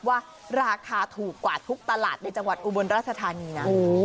ว่าราคาถูกกว่าทุกตลาดในจังหวัดอุบลราชธานีนะ